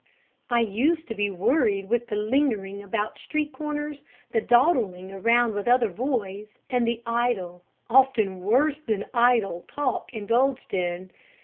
"I used to be worried with the lingering about street corners, the dawdling around with other boys, and the idle, often worse than idle, talk indulged in.